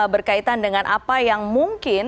berkaitan dengan apa yang mungkin